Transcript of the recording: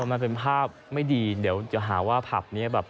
มันเป็นภาพไม่ดีเดี๋ยวจะหาว่าผับนี้แบบ